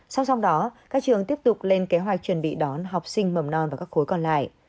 sau trong đó các trường tiếp tục lên kế hoạch chuẩn bị đón học sinh mầm non và các khối còn lại